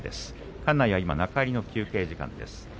館内は今、中入りの休憩時間です。